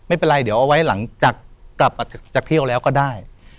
ไม่เป็นไรเดี๋ยวเอาไว้หลังจากเที่ยวแล้วก็ได้